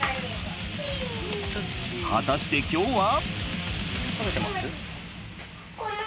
果たして今日は？